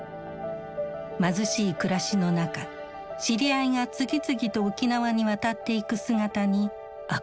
貧しい暮らしの中知り合いが次々と沖縄に渡っていく姿に憧れを抱いた。